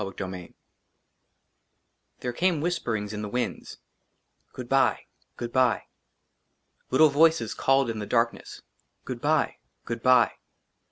\ 45 XLIII THERE CAME WHISPERINGS IN THE WINDS I " GOOD BYE ! GOOD BYE !" LITTLE VOICES CALLED IN THE DARKNESS I GOOD BYE ! GOOD BYE